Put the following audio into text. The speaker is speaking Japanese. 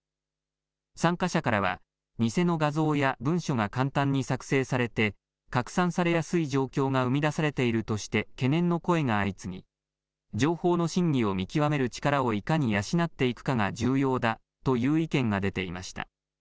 参加者からは、偽の画像や文書が簡単に作成されて、拡散されやすい状況が生み出されているとして懸念の声が相次ぎ、情報の真偽を見極める力をいかに養っていくかが重要だという意見が出ていました。